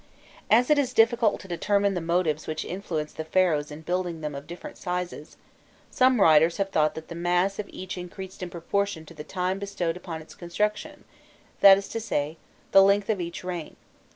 As it is difficult to determine the motives which influenced the Pharaohs in building them of different sizes, some writers have thought that the mass of each increased in proportion to the time bestowed upon its construction that is to say, to the length of each reign.